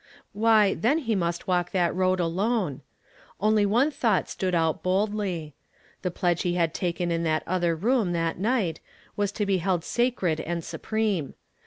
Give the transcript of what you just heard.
Why, then he must walk that road alone. Only one thought stood out boldl}'. The pledge he had taken in that otlier room that night was to be held sacred and snpreme.